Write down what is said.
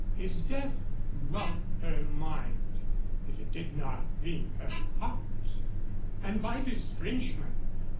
His death wrung her mind, if it did not wring her heart. And by this Frenchman!